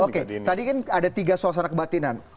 oke tadi kan ada tiga suasana kebatinan